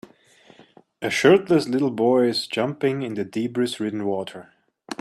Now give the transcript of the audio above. A shirtless little boy is jumping in the debris ridden water.